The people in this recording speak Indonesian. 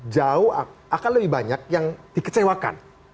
jauh akan lebih banyak yang dikecewakan